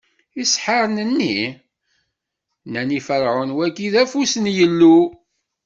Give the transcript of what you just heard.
Iseḥḥaren-nni? Nnan i Ferɛun: Wagi, d afus n Yillu!